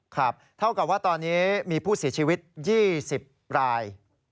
ครับเท่ากับว่าตอนนี้มีผู้เสียชีวิต๒๐ราย